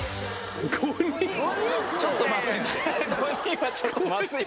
ちょっとまずくない？